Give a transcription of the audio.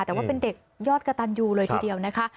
แต่ว่าเป็นเด็กยอดกระตันยูเลยทีเดียวนะคะ